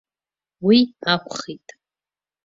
Уи акәхеит.